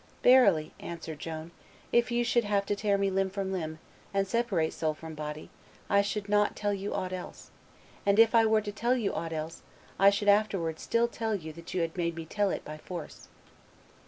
"Verily," answered Joan, "if you should have to tear me limb from limb, and separate soul from body, I should not tell you aught else; and if I were to tell you aught else, I should afterwards still tell you that you had made me tell it by force."